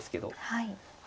はい。